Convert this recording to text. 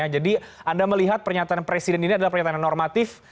jadi anda melihat pernyataan presiden ini adalah pernyataan yang normatif